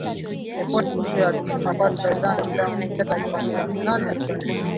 Ripoti hiyo ilisema pato la Uganda kwa kila mtu lilifikia takriban dola mia nane arubaini